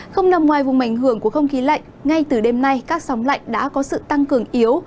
không nằm ngoài vùng ảnh hưởng của không khí lạnh ngay từ đêm nay các sóng lạnh đã có sự tăng cường yếu